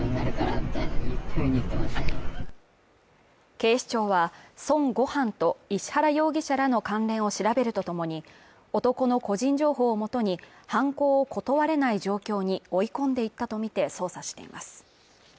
警視庁は孫悟飯と、石原容疑者らの関連を調べるとともに、男の個人情報を基に犯行を断れない状況に追い込んでいったとみて捜査しています。